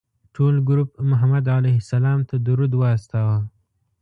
ټول ګروپ محمد علیه السلام ته درود واستوه.